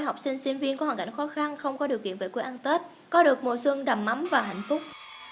học sinh sinh viên có hoàn cảnh khó khăn không có điều kiện về quê ăn tết có được mùa xuân đầm ấm và hạnh phúc